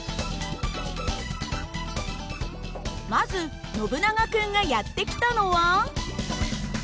まずノブナガ君がやって来たのは。